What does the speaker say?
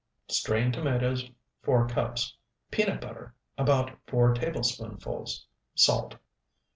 2 Strained tomatoes, 4 cups. Peanut butter, about 4 tablespoonfuls. Salt.